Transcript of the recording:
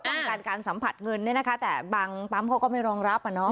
ต้องการการสัมผัสเงินเนี่ยนะคะแต่บางปั๊มเขาก็ไม่รองรับอ่ะเนาะ